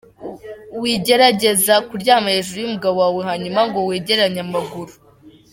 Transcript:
Wigerageza kuryama hejuru y’umugabo wawe hanyuma ngo wegeranye amaguru:.